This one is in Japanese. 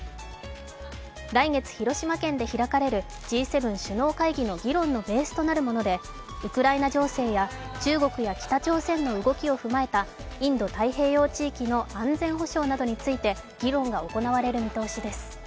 来月広島県で開かれるＧ７首脳会議の議論のベースとなるもので、ウクライナ情勢や中国や北朝鮮の動きを踏まえたインド太平洋地域の安全保障などについて議論が行われる見通しです。